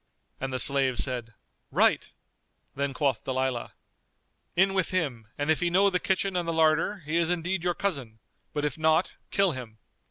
And the slaves said "Right!" Then quoth Dalilah, "In with him and if he know the kitchen and the larder, he is indeed your cousin; but, if not, kill him."